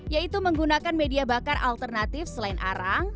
yaitu menggunakan media bakar alternatif selain arang